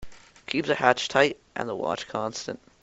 Keep the hatch tight and the watch constant.